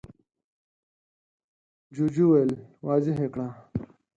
جوجو وويل: واضح يې کړه!